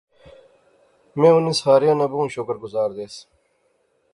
میں انیں ساریاں نا بہوں شکر گزار دیس